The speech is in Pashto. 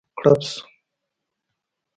کړپ شو.